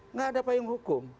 nggak ada payung hukum